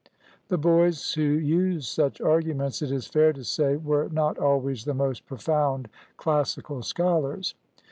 The boys who used such arguments, it is fair to say, were not always the most profound classical scholars.